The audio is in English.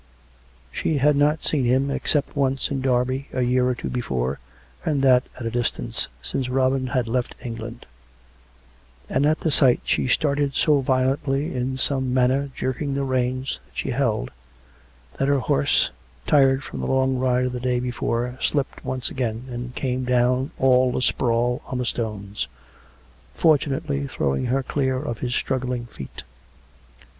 She had not seen him, except once in Derby, a year or two before, and that at a distance, since Robin had left England; and at the sight she started so violently, in some manner jerking the reins that she held, that her horse, tired with the long ride of the day before, slipped once again, and came down all asprawl on the stones, fortunately throw ing her clear of his struggling feet.